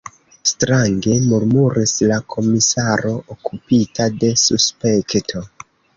Strange, murmuris la komisaro okupita de suspekto.